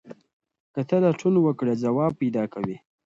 که ته لټون وکړې ځواب پیدا کوې.